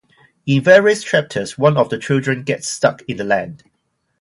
In various chapters, one of the children gets stuck in the land.